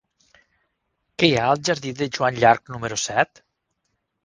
Què hi ha al jardí de Joan Llarch número set?